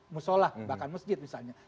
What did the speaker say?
musyolah bahkan masjid misalnya